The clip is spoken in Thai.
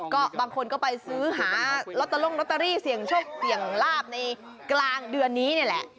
ก็บางคนก็ไปซื้อหาลอตเตอรี่เสี่ยงโชคเสี่ยงลาบในกลางเดือนนี้นี่แหละ